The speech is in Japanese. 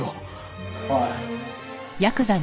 おい。